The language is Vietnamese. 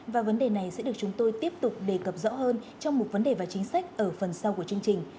và vấn đề này sẽ được chúng tôi tiếp tục đề cập rõ hơn trong một vấn đề và chính sách ở phần sau của chương trình